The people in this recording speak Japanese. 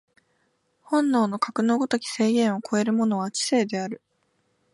本能のかくの如き制限を超えるものは知性である。